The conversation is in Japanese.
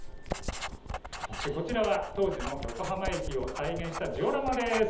こちらは当時の横浜駅の様子を再現したジオラマです。